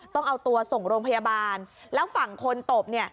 ต้องเอาตัวส่งโรงพยาบาลแล้วฝั่งคนตบเนี่ย